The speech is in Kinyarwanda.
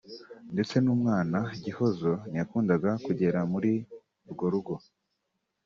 ndetse n’umwana (Gihozo) ntiyakundaga kugenda muri urwo rugo